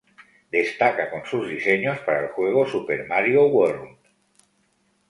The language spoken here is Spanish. Destaca con sus diseños para el juego Super Mario World.